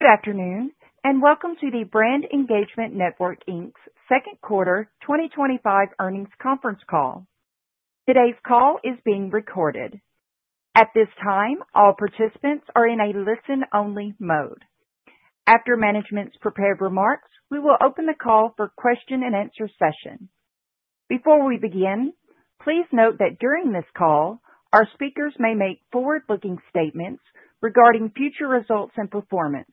Good afternoon, and welcome to the Brand Engagement Network, Inc.'s second quarter 2025 earnings conference call. Today's call is being recorded. At this time, all participants are in a listen-only mode. After management's prepared remarks, we will open the call for question-and-answer sessions. Before we begin, please note that during this call, our speakers may make forward-looking statements regarding future results and performance.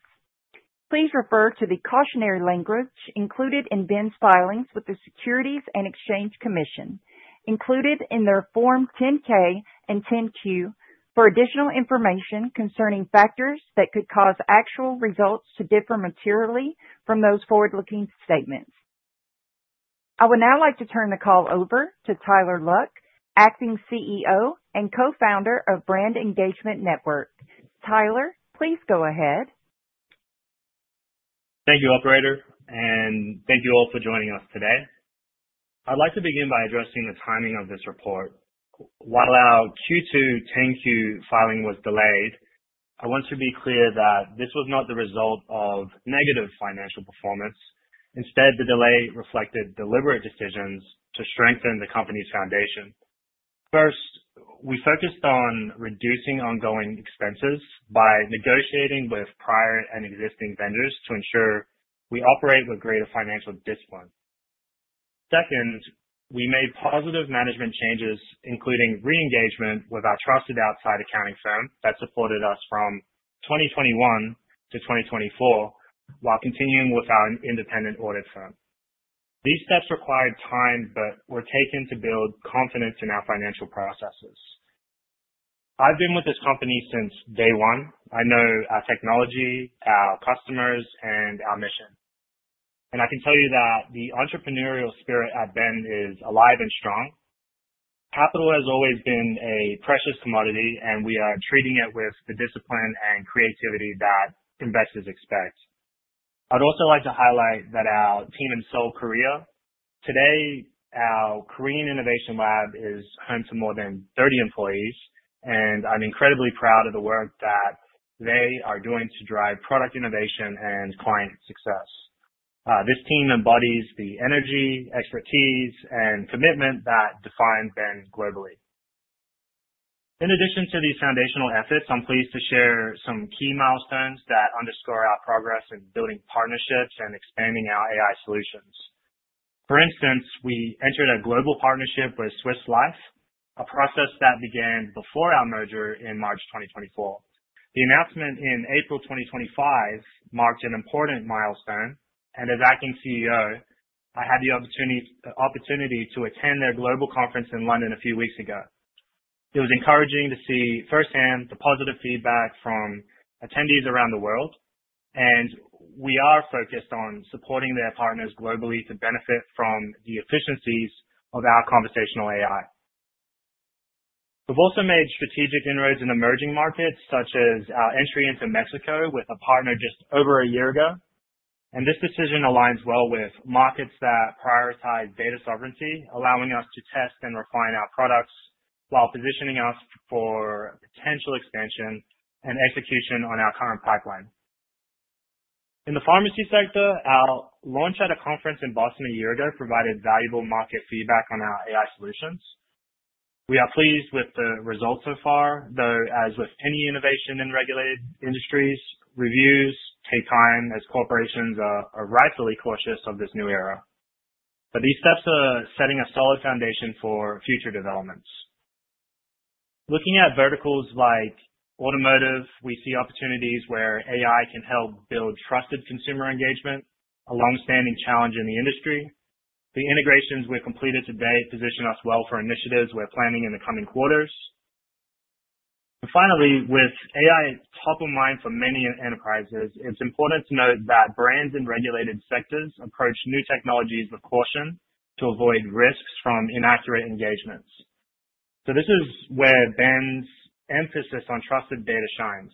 Please refer to the cautionary language included in BEN's filings with the Securities and Exchange Commission, included in their Form 10-K and 10-Q, for additional information concerning factors that could cause actual results to differ materially from those forward-looking statements. I would now like to turn the call over to Tyler Luck, Acting CEO and Co-founder of Brand Engagement Network. Tyler, please go ahead. Thank you, Operator, and thank you all for joining us today. I'd like to begin by addressing the timing of this report. While our Q2 10-Q filing was delayed, I want to be clear that this was not the result of negative financial performance. Instead, the delay reflected deliberate decisions to strengthen the company's foundation. First, we focused on reducing ongoing expenses by negotiating with prior and existing vendors to ensure we operate with greater financial discipline. Second, we made positive management changes, including re-engagement with our trusted outside accounting firm that supported us from 2021-2024 while continuing with our independent audit firm. These steps required time, but were taken to build confidence in our financial processes. I've been with this company since day one. I know our technology, our customers, and our mission. And I can tell you that the entrepreneurial spirit at BEN is alive and strong. Capital has always been a precious commodity, and we are treating it with the discipline and creativity that investors expect. I'd also like to highlight that our team in Seoul, Korea, today, our Korean Innovation Lab is home to more than 30 employees, and I'm incredibly proud of the work that they are doing to drive product innovation and client success. This team embodies the energy, expertise, and commitment that define BEN globally. In addition to these foundational efforts, I'm pleased to share some key milestones that underscore our progress in building partnerships and expanding our AI solutions. For instance, we entered a global partnership with Swiss Life, a process that began before our merger in March 2024. The announcement in April 2025 marked an important milestone, and as Acting CEO, I had the opportunity to attend their global conference in London a few weeks ago. It was encouraging to see firsthand the positive feedback from attendees around the world, and we are focused on supporting their partners globally to benefit from the efficiencies of our Conversational AI. We've also made strategic inroads in emerging markets, such as our entry into Mexico with a partner just over a year ago, and this decision aligns well with markets that prioritize data sovereignty, allowing us to test and refine our products while positioning us for potential expansion and execution on our current pipeline. In the pharmacy sector, our launch at a conference in Boston a year ago provided valuable market feedback on our AI solutions. We are pleased with the results so far, though, as with any innovation in regulated industries, reviews take time as corporations are rightfully cautious of this new era. But these steps are setting a solid foundation for future developments. Looking at verticals like automotive, we see opportunities where AI can help build trusted consumer engagement, a long-standing challenge in the industry. The integrations we've completed today position us well for initiatives we're planning in the coming quarters. And finally, with AI top of mind for many enterprises, it's important to note that brands in regulated sectors approach new technologies with caution to avoid risks from inaccurate engagements. So this is where BEN's emphasis on trusted data shines.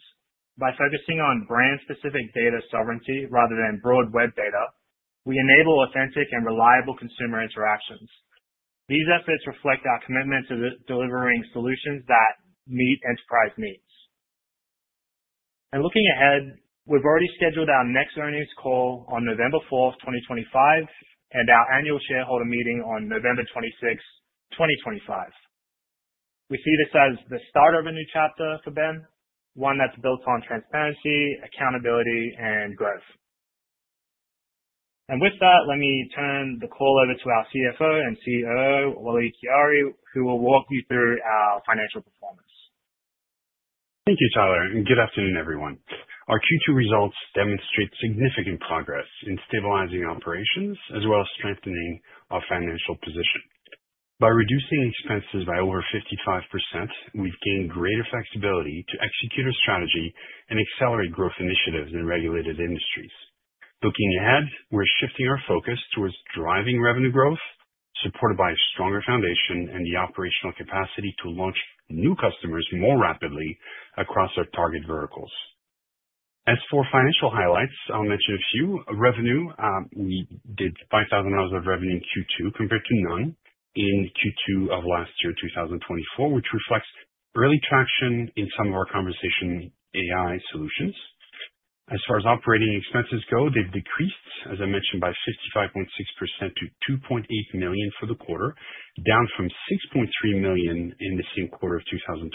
By focusing on brand-specific data sovereignty rather than broad web data, we enable authentic and reliable consumer interactions. These efforts reflect our commitment to delivering solutions that meet enterprise needs. Looking ahead, we've already scheduled our next earnings call on November 4, 2025, and our annual shareholder meeting on November 26, 2025. We see this as the start of a new chapter for BEN, one that's built on transparency, accountability, and growth. With that, let me turn the call over to our CFO and COO, Walid Khiari, who will walk you through our financial performance. Thank you, Tyler, and good afternoon, everyone. Our Q2 results demonstrate significant progress in stabilizing operations as well as strengthening our financial position. By reducing expenses by over 55%, we've gained greater flexibility to execute our strategy and accelerate growth initiatives in regulated industries. Looking ahead, we're shifting our focus towards driving revenue growth, supported by a stronger foundation and the operational capacity to launch new customers more rapidly across our target verticals. As for financial highlights, I'll mention a few. Revenue, we did $5,000 of revenue in Q2 compared to none in Q2 of last year, 2024, which reflects early traction in some of our Conversation AI Solutions. As far as operating expenses go, they've decreased, as I mentioned, by 55.6%-$2.8 million for the quarter, down from $6.3 million in the same quarter of 2024,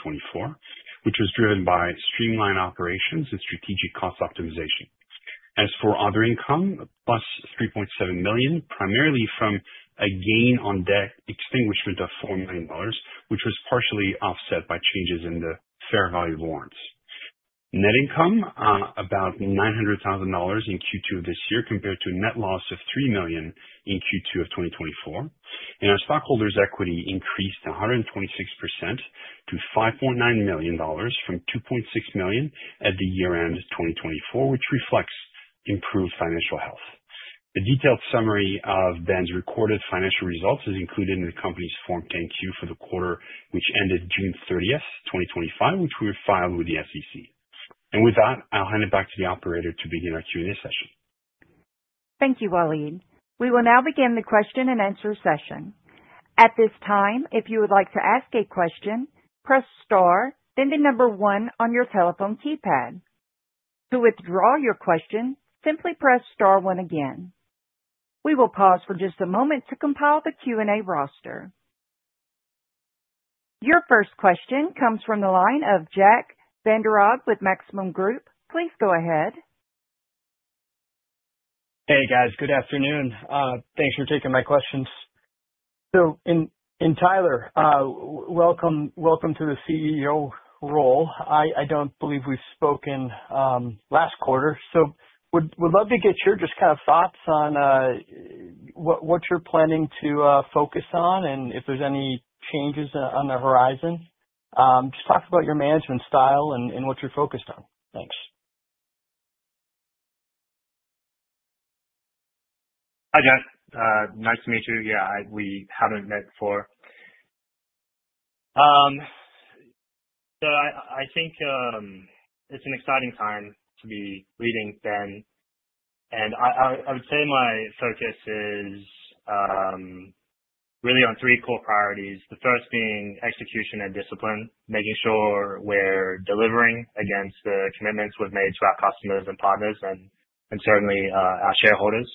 which was driven by streamlined operations and strategic cost optimization. As for other income, +$3.7 million, primarily from a gain on debt extinguishment of $4 million, which was partially offset by changes in the fair value warrants. Net income, about $900,000 in Q2 of this year compared to a net loss of $3 million in Q2 of 2024. And our stockholders' equity increased 126%-$5.9 million from $2.6 million at the year-end 2024, which reflects improved financial health. A detailed summary of BEN's recorded financial results is included in the company's Form 10-Q for the quarter, which ended June 30, 2025, which we filed with the SEC. And with that, I'll hand it back to the Operator to begin our Q&A session. Thank you, Walid. We will now begin the question-and-answer session. At this time, if you would like to ask a question, press star, then the number one on your telephone keypad. To withdraw your question, simply press star one again. We will pause for just a moment to compile the Q&A roster. Your first question comes from the line of Jack Vander Aarde with Maxim Group. Please go ahead. Hey, guys. Good afternoon. Thanks for taking my questions, so, Tyler, welcome to the CEO role. I don't believe we've spoken last quarter, so would love to get your just kind of thoughts on what you're planning to focus on and if there's any changes on the horizon. Just talk about your management style and what you're focused on. Thanks. Hi, Jack. Nice to meet you. Yeah, we haven't met before. So I think it's an exciting time to be leading BEN. And I would say my focus is really on three core priorities, the first being execution and discipline, making sure we're delivering against the commitments we've made to our customers and partners and certainly our shareholders.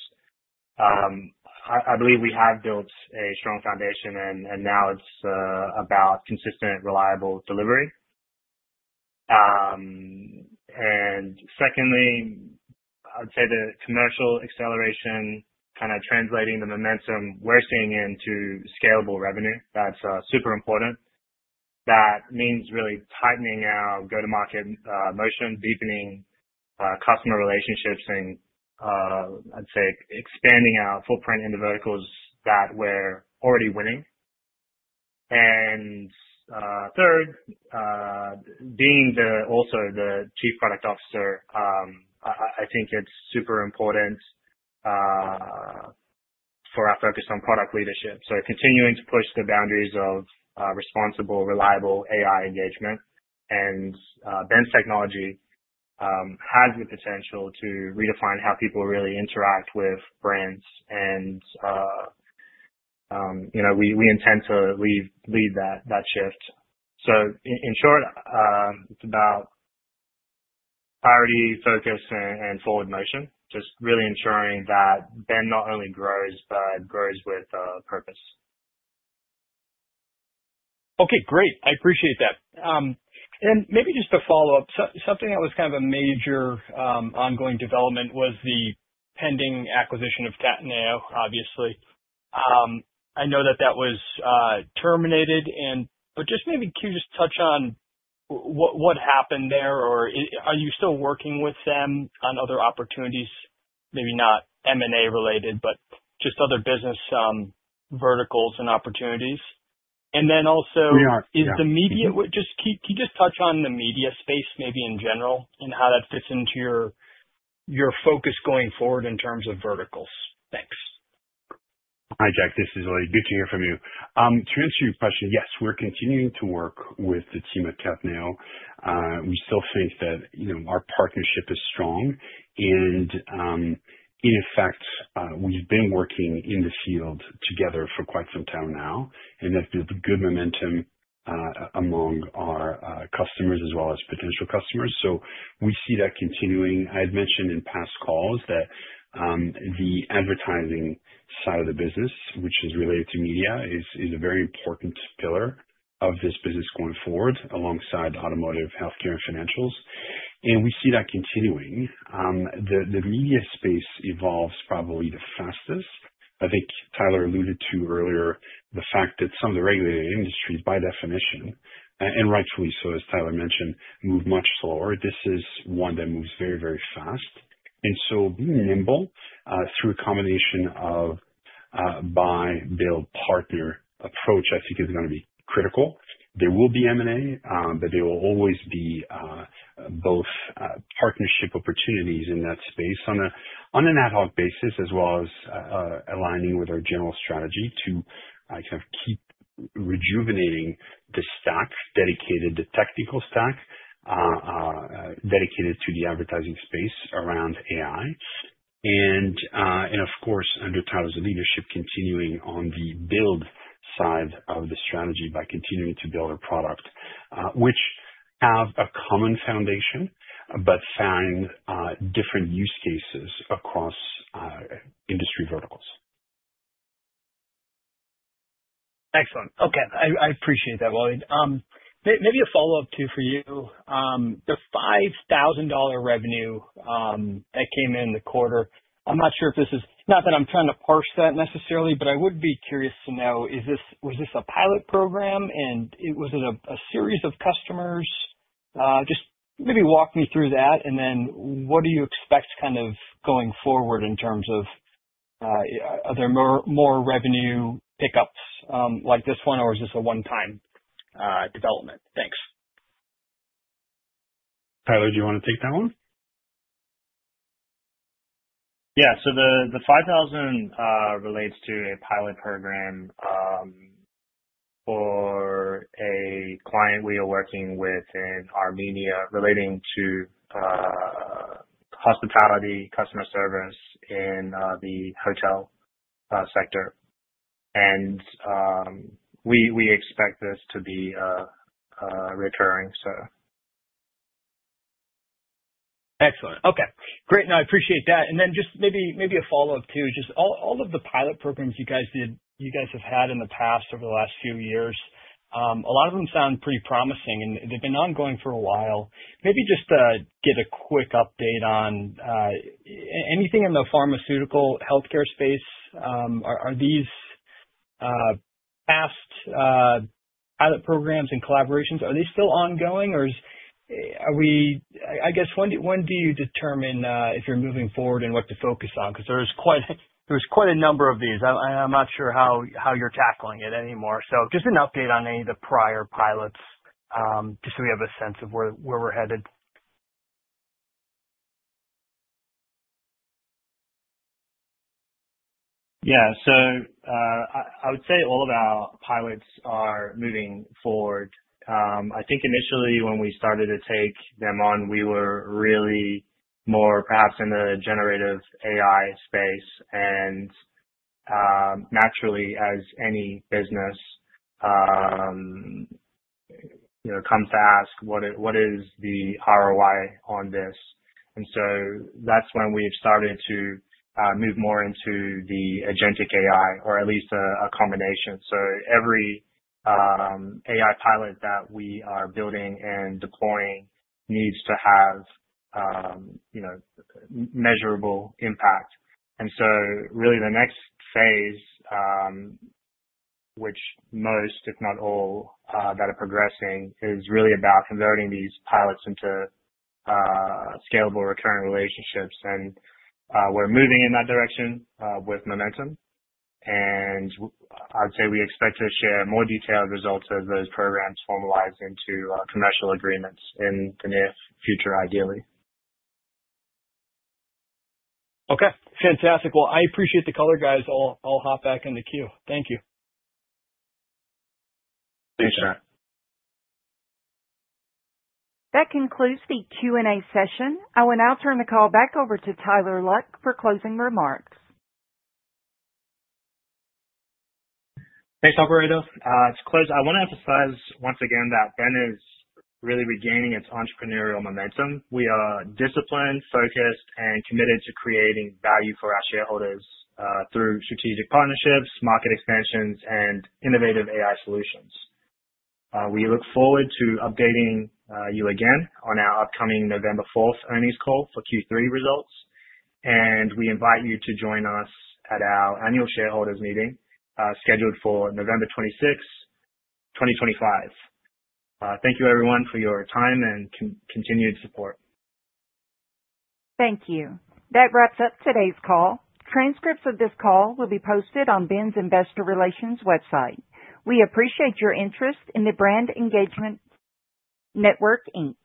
I believe we have built a strong foundation, and now it's about consistent, reliable delivery. And secondly, I would say the commercial acceleration, kind of translating the momentum we're seeing into scalable revenue. That's super important. That means really tightening our go-to-market motion, deepening customer relationships, and I'd say expanding our footprint in the verticals that we're already winning. And third, being also the Chief Product Officer, I think it's super important for our focus on product leadership. So continuing to push the boundaries of responsible, reliable AI engagement. BEN technology has the potential to redefine how people really interact with brands. We intend to lead that shift. In short, it's about priority, focus, and forward motion, just really ensuring that BEN not only grows, but grows with purpose. Okay, great. I appreciate that. And maybe just to follow up, something that was kind of a major ongoing development was the pending acquisition of Cataneo, obviously. I know that that was terminated. But just maybe can you just touch on what happened there, or are you still working with them on other opportunities, maybe not M&A related, but just other business verticals and opportunities? And then also. We are. Is the media just can you just touch on the media space maybe in general and how that fits into your focus going forward in terms of verticals? Thanks. Hi, Jack. This is Walid. Good to hear from you. To answer your question, yes, we're continuing to work with the team at Cataneo. We still think that our partnership is strong, and in effect, we've been working in the field together for quite some time now, and that's built a good momentum among our customers as well as potential customers, so we see that continuing. I had mentioned in past calls that the advertising side of the business, which is related to media, is a very important pillar of this business going forward alongside automotive, healthcare, and financials, and we see that continuing. The media space evolves probably the fastest. I think Tyler alluded to earlier the fact that some of the regulated industries, by definition, and rightfully so, as Tyler mentioned, move much slower. This is one that moves very, very fast. Being nimble through a combination of buy-build-partner approach, I think, is going to be critical. There will be M&A, but there will always be both partnership opportunities in that space on an ad hoc basis as well as aligning with our general strategy to kind of keep rejuvenating the stack, the technical stack dedicated to the advertising space around AI. Of course, under Tyler's leadership, continuing on the build side of the strategy by continuing to build a product, which have a common foundation but find different use cases across industry verticals. Excellent. Okay. I appreciate that, Walid. Maybe a follow-up too for you. The $5,000 revenue that came in the quarter, I'm not sure if this is not that I'm trying to parse that necessarily, but I would be curious to know, was this a pilot program, and was it a series of customers? Just maybe walk me through that. And then what do you expect kind of going forward in terms of are there more revenue pickups like this one, or is this a one-time development? Thanks. Tyler, do you want to take that one? Yeah, so the $5,000 relates to a pilot program for a client we are working with in Armenia relating to hospitality, customer service in the hotel sector, and we expect this to be recurring, so. Excellent. Okay. Great. No, I appreciate that. And then just maybe a follow-up too. Just all of the pilot programs you guys have had in the past over the last few years, a lot of them sound pretty promising, and they've been ongoing for a while. Maybe just to get a quick update on anything in the pharmaceutical healthcare space, are these past pilot programs and collaborations, are they still ongoing, or are we I guess, when do you determine if you're moving forward and what to focus on? Because there was quite a number of these. I'm not sure how you're tackling it anymore. So just an update on any of the prior pilots just so we have a sense of where we're headed? Yeah. So I would say all of our pilots are moving forward. I think initially when we started to take them on, we were really more perhaps in the Generative AI space. And naturally, as any business, comes first, what is the ROI on this? And so that's when we've started to move more into the Agentic AI, or at least a combination. So every AI pilot that we are building and deploying needs to have measurable impact. And so really the next phase, which most, if not all, that are progressing is really about converting these pilots into scalable recurrent relationships. And we're moving in that direction with momentum. And I'd say we expect to share more detailed results of those programs formalized into commercial agreements in the near future, ideally. Okay. Fantastic. Well, I appreciate the call, guys. I'll hop back in the queue. Thank you. Thanks, Jack. That concludes the Q&A session. I will now turn the call back over to Tyler Luck for closing remarks. Thanks, Operator. To close, I want to emphasize once again that BEN is really regaining its entrepreneurial momentum. We are disciplined, focused, and committed to creating value for our shareholders through strategic partnerships, market expansions, and innovative AI solutions. We look forward to updating you again on our upcoming November 4 earnings call for Q3 results. And we invite you to join us at our annual shareholders meeting scheduled for November 26, 2025. Thank you, everyone, for your time and continued support. Thank you. That wraps up today's call. Transcripts of this call will be posted on BEN's Investor Relations website. We appreciate your interest in the Brand Engagement Network, Inc.